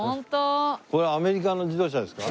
これアメリカの自動車ですか？